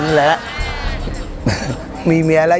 กิเลนพยองครับ